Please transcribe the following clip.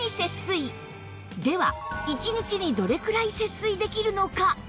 では１日にどれくらい節水できるのか？